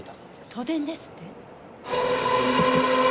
都電ですって？